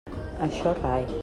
Això rai.